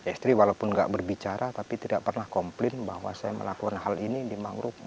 istri walaupun tidak berbicara tapi tidak pernah komplain bahwa saya melakukan hal ini di mangrove